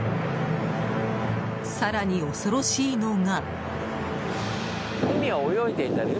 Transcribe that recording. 更に、恐ろしいのが。